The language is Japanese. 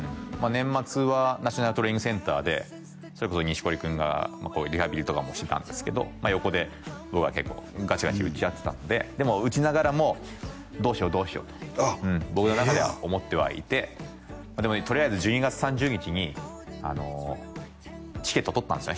年末はナショナルトレーニングセンターでそれこそ錦織君がこうリハビリとかもしてたんですけど横で僕が結構ガチガチ打ち合ってたのででも打ちながらもどうしようどうしようとあっ僕の中では思ってはいてでもとりあえず１２月３０日にチケット取ったんですね